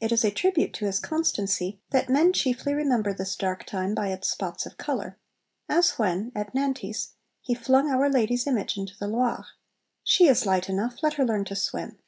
It is a tribute to his constancy that men chiefly remember this dark time by its spots of colour as when, at Nantes, he flung Our Lady's image into the Loire 'She is light enough: let her learn to swim!'